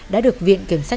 đã được viện kiểm soát